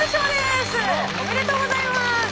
おめでとうございます！